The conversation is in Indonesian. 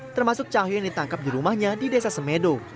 termasuk cahyo yang ditangkap di rumahnya di desa semedo